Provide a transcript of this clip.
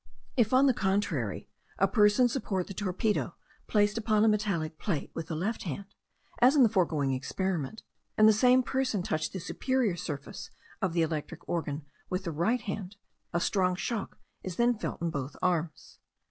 If, on the contrary, a person support the torpedo placed upon a metallic plate, with the left hand, as in the foregoing experiment, and the same person touch the superior surface of the electrical organ with the right hand, a strong shock is then felt in both arms.